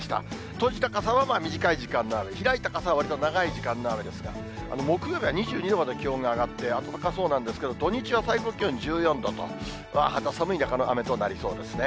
閉じた傘は、短い時間の雨、開いた傘はわりと長い時間の雨ですが、木曜日は２２度まで気温が上がって、暖かそうなんですけど、土日は最高気温１４度と、肌寒い中の雨となりそうですね。